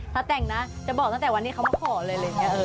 ถ้าแต่งนะจะบอกตั้งแต่วันนี้เขามาขอเลยเลย